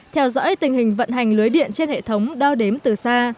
theo dõi tình hình vận hành lưới điện trên hệ thống đo đếm từ xa